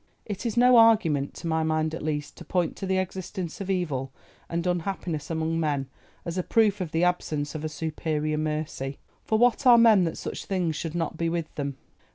It is no argument, to my mind at least, to point to the existence of evil and unhappiness among men as a proof of the absence of a superior Mercy; for what are men that such things should not be with them?